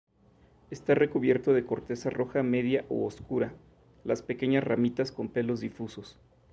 Está recubierto de corteza roja media u oscura, las pequeñas ramitas con pelos difusos.